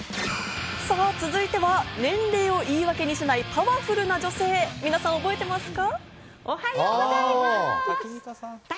続いては、年齢を言いわけにしないパワフルな女性、皆さん覚えてますか？